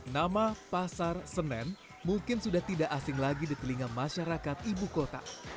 nama pasar senen mungkin sudah tidak asing lagi di telinga masyarakat ibu kota